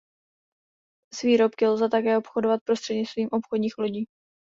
S výrobky lze také obchodovat prostřednictvím obchodních lodí.